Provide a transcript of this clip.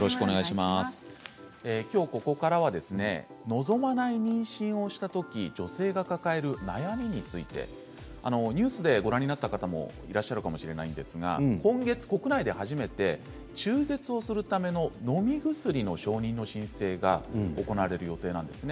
きょうここからは望まない妊娠をしたとき女性が抱える悩みについてニュースでご覧になった方もいらっしゃるかもしれないですが今月、国内で初めて中絶をするためののみ薬の承認の申請が行われる予定なんですね。